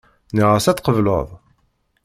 Nniɣ-as ad tqebleḍ.